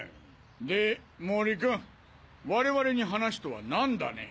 で毛利君我々に話とはなんだね？